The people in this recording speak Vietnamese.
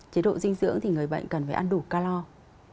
chế độ dinh dưỡng thì người bệnh cần phải ăn đủ calor